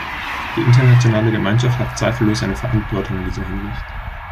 Die internationale Gemeinschaft hat zweifellos eine Verantwortung in dieser Hinsicht.